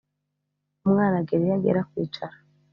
umwana agera iyo agera kwicara,